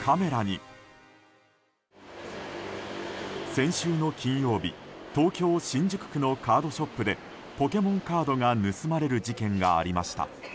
先週の金曜日、東京・新宿区のカードショップでポケモンカードが盗まれる事件がありました。